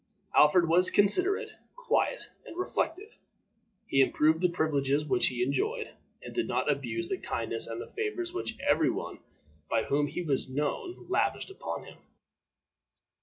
Alfred was considerate, quiet, and reflective; he improved the privileges which he enjoyed, and did not abuse the kindness and the favors which every one by whom he was known lavished upon him.